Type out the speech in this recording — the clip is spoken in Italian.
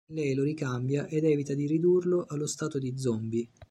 Lei lo ricambia ed evita di ridurlo allo stato di "zombie".